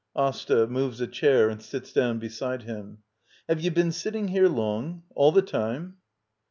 AsTA. [Moves a chair and sits down beside him.] Have you been sitting here long? All the time?